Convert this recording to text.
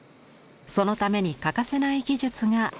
そのために欠かせない技術が「荒編み」です。